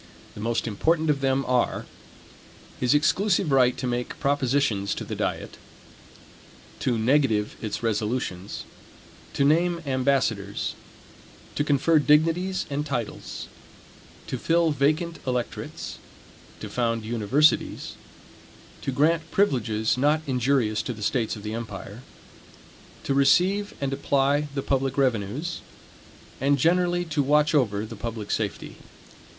The most important of them are: his exclusive right to make propositions to the diet; to negative its resolutions; to name ambassadors; to confer dignities and titles; to fill vacant electorates; to found universities; to grant privileges not injurious to the states of the empire; to receive and apply the public revenues; and generally to watch over the public safety.